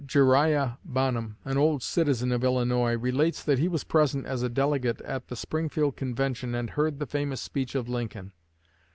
Jeriah Bonham, an old citizen of Illinois, relates that he was present as a delegate at the Springfield convention and heard the famous speech of Lincoln.